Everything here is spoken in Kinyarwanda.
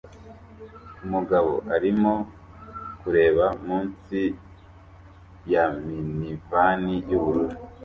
Umugabo arimo kureba munsi ya minivani yubururu